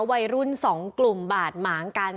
วัยรุ่น๒กลุ่มบาดหมางกัน